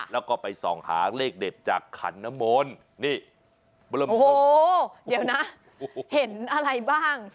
แล้วก็ไปส่องหาเลขเด็ดจากขันนมลนี่โอ้โหเดี๋ยวนะเห็นอะไรบ้าง